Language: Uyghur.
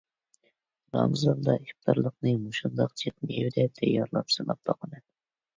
رامىزاندا ئىپتارلىقنى مۇشۇنداق جىق مېۋىدە تەييارلاپ سىناپ باقىمەن.